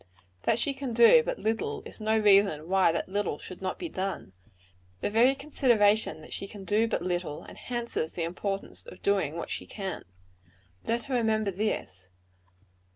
That she can do but little, is no reason why that little should not be done. The very consideration that she can do but little, enhances the importance of doing what she can. Let her remember this.